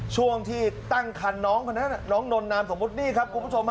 ช่วงที่ตั้งคันน้องคนนั้นน้องนนนามสมมุตินี่ครับคุณผู้ชม